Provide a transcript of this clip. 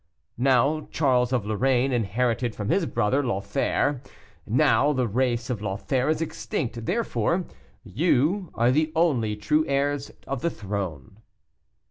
"Now, Charles of Lorraine inherited from his brother Lothaire. Now, the race of Lothaire is extinct, therefore you are the only true heirs of the throne."